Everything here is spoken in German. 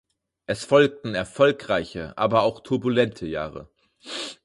Es folgten erfolgreiche, aber auch turbulente Jahre.